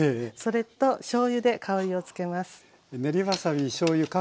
それとしょうゆで香りを付けます。